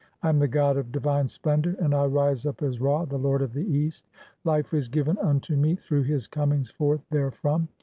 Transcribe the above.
I am the god of "divine splendour, and I rise up as Ra, the lord of the East ; "life is given unto me through his (17) comings forth there from.